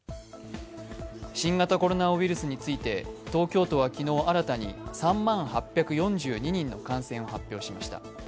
新型コロナウイルスについて東京都は昨日、新たに３万８４２人の感染を発表しました。